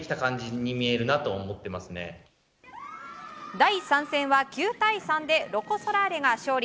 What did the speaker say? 第３戦は９対３でロコ・ソラーレが勝利。